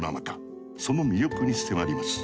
その魅力に迫ります。